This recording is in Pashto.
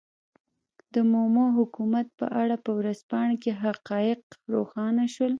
د مومو حکومت په اړه په ورځپاڼه کې حقایق روښانه شول.